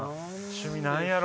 趣味何やろ？